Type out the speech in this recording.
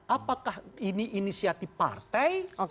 apakah ini inisiatif partai